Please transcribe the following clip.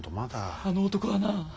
あの男はな